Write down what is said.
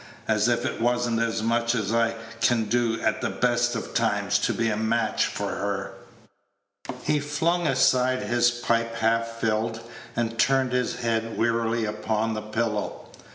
As if it was n't as much as I can do at the best of times to be a match for her." He flung aside his pipe half filled, and turned his head wearily upon the pillow.